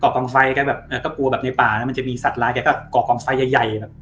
กองไฟแกแบบก็กลัวแบบในป่านะมันจะมีสัตว์ลายแกก็ก่อกองไฟใหญ่ใหญ่แบบ